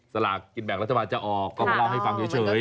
สลากกินแบ่งรัฐบาลจะออกก็มาเล่าให้ฟังเฉย